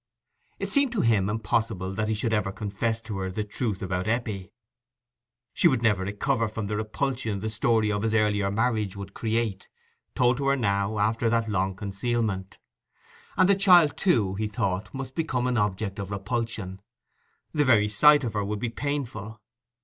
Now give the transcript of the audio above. It seemed to him impossible that he should ever confess to her the truth about Eppie: she would never recover from the repulsion the story of his earlier marriage would create, told to her now, after that long concealment. And the child, too, he thought, must become an object of repulsion: the very sight of her would be painful.